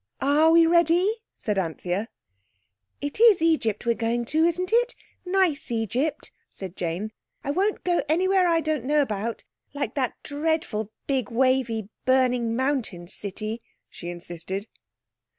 "Are we ready?" said Anthea. "It is Egypt we're going to, isn't it?—nice Egypt?" said Jane. "I won't go anywhere I don't know about—like that dreadful big wavy burning mountain city," she insisted.